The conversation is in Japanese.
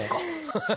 ハハハ！